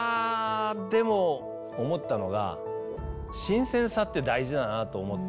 でも、思ったのが新鮮さって大事だなと思って。